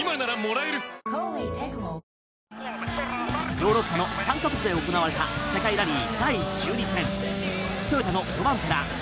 ヨーロッパの３か国で行われた世界ラリー。